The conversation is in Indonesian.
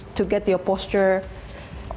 untuk mendapatkan postur anda